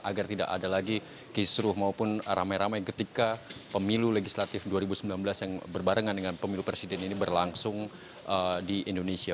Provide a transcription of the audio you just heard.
agar tidak ada lagi kisruh maupun ramai ramai ketika pemilu legislatif dua ribu sembilan belas yang berbarengan dengan pemilu presiden ini berlangsung di indonesia